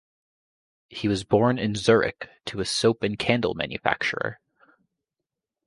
He was born in Zurich to a soap and candle manufacturer.